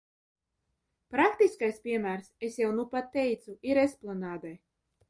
Praktiskais piemērs, es jau nupat teicu, ir Esplanādē.